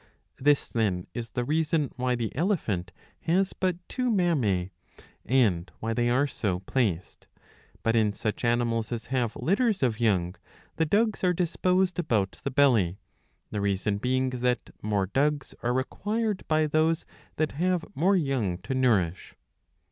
This, then, is the reason why the elephant has but two mammae, and why they are so placed. But, in such animals as have litters of young, the dugs are disposed about the belly ; the reason being that more dugs are required by those that have more young to nourish.